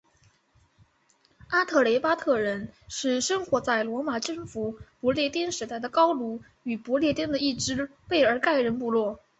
阿特雷巴特人是生活在罗马征服不列颠时代的高卢与不列颠的一只贝尔盖人部落。